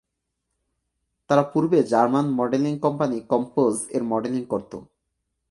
তারা পূর্বে German modelling company "Compose" এর মডেলিং করতো।